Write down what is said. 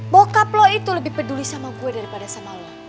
bokap lu itu lebih peduli sama gue daripada sama lu